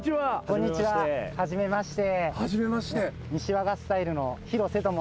こんにちは初めまして。